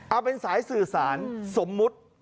เอาเป็นสายสื่อสารสมมุติ